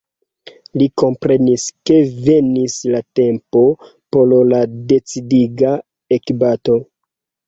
Li komprenis, ke venis la tempo por la decidiga ekbato.